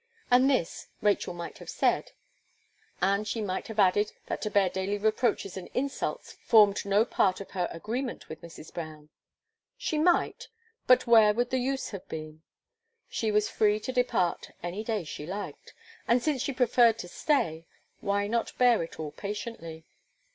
And this, Rachel might have said; and she might have added that to bear daily reproaches and insults, formed no part of her agreement with Mrs. Brown. She might but where would the use have been? She was free to depart any day she liked; and since she preferred to stay, why not bear it all patiently?